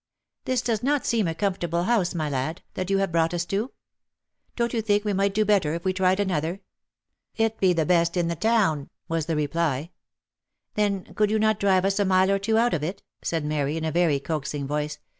" This does not seem a comfortable house, my lad, that you have brought us to. Don't you think we might do better if we tried another?" " It be the best in the town," was the reply. " Then could you not drive us a mile or two out of it ?" said Mary, in a very coaxing voice.